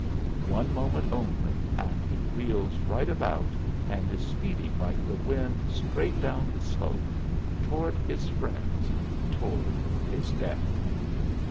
One moment only and he wheels right about and is speeding like the wind straight down the slope toward his friends, toward his death!